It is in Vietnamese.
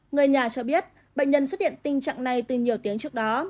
người nhà cho biết bệnh nhân xuất hiện tình trạng này từ nhiều tiếng trước đó